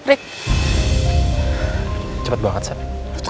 aku cuma ingin keluarga aku itu